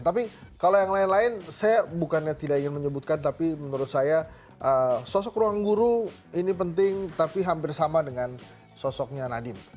tapi kalau yang lain lain saya bukannya tidak ingin menyebutkan tapi menurut saya sosok ruang guru ini penting tapi hampir sama dengan sosoknya nadiem